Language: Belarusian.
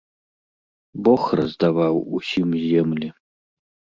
Бог раздаваў усім землі.